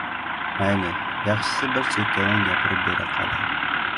Mayli, yaxshisi, bir chekkadan gapirib bera qolay.